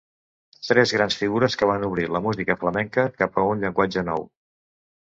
Tres grans figures que van obrir la música flamenca cap a un llenguatge nou.